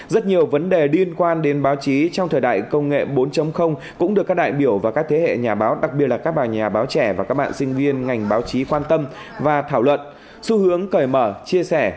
rất nhiều vấn đề liên quan đến báo chí trong thời đại công nghệ bốn cũng được các đại biểu và các thế hệ nhà báo đặc biệt là các bà nhà báo trẻ và các bạn sinh viên ngành báo chí quan tâm và thảo luận xu hướng cởi mở chia sẻ